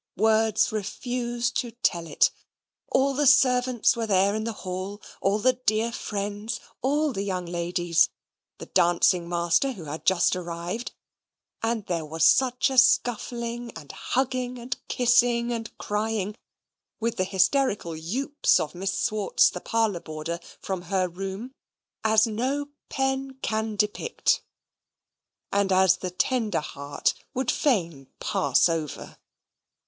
Words refuse to tell it. All the servants were there in the hall all the dear friends all the young ladies the dancing master who had just arrived; and there was such a scuffling, and hugging, and kissing, and crying, with the hysterical YOOPS of Miss Swartz, the parlour boarder, from her room, as no pen can depict, and as the tender heart would fain pass over.